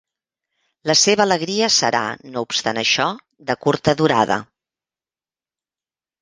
La seva alegria serà no obstant això de curta durada.